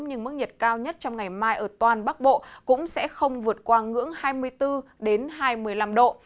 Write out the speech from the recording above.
nhưng mức nhiệt cao nhất trong ngày mai ở toàn bắc bộ cũng sẽ không vượt qua ngưỡng hai mươi bốn hai mươi năm độ